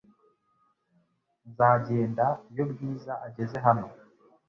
Nzagenda iyo Bwiza ageze hano .